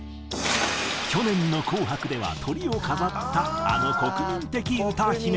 去年の『紅白』ではトリを飾ったあの国民的歌姫。